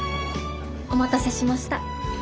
お待たせしました。